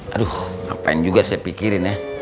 aduh ngapain juga saya pikirin ya